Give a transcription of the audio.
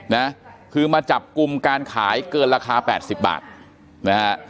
นะคือมาจับกลุ่มการขายเกินราคาแปดสิบบาทนะฮะ